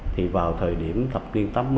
thì vào thời điểm thập niên tám mươi